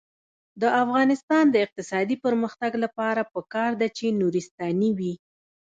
د افغانستان د اقتصادي پرمختګ لپاره پکار ده چې نورستاني وي.